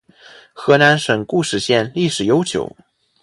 河南省固始县历史悠久